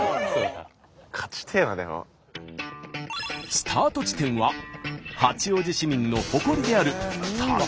スタート地点は八王子市民の誇りである高尾山。